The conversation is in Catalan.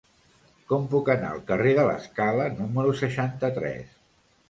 Com puc anar al carrer de l'Escala número seixanta-tres?